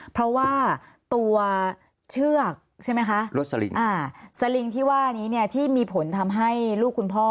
เพราะว่าตัวเชือกใช่ไหมคะรสลิงสลิงที่ว่านี้เนี่ยที่มีผลทำให้ลูกคุณพ่อ